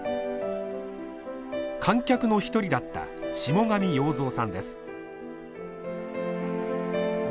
観客の一人だった下神洋造さんです。